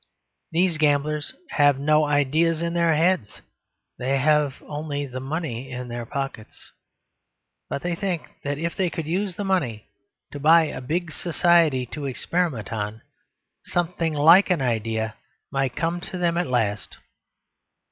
These gamblers have no ideas in their heads; they have only the money in their pockets. But they think that if they could use the money to buy a big society to experiment on, something like an idea might come to them at last.